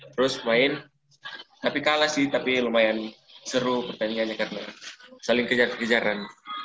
terus main tapi kalah sih tapi lumayan seru pertandingannya karena saling kejar kejaran